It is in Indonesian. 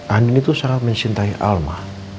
andin itu sangat mencintai alma